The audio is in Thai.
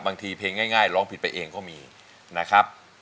เพลงง่ายร้องผิดไปเองก็มีนะครับ